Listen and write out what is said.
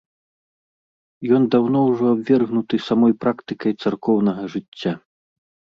Ён даўно ўжо абвергнуты самой практыкай царкоўнага жыцця.